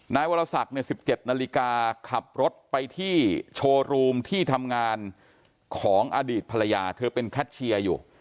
นายวรศักดิ์๑๗นาฬิกาขับรถไปที่โชว์รูมที่ทำงานของอดีตภรรยาเธอเป็นแคทเชียร์อยู่